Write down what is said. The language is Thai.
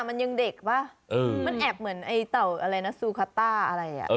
มันแอบเหมือนไอ้เต่าอะไรนะซูคาต้าอะไรอ่ะ